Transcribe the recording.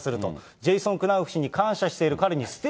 ジェイソン・クナウフ氏に感謝している。